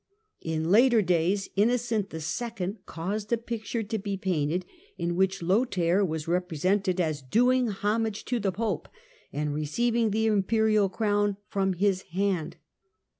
In later days Innocent II. caused a picture to be painted in which Lothair was represented as doing homage to the Pope and receiving the imperial crown from his hand.